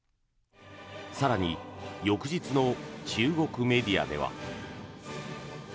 更に翌日の中国メディアでは。